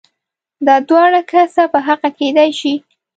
دا دواړه کسه په حقه کېدای شي؟